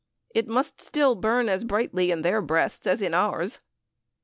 It must still burn as brightly in their breasts as in ours.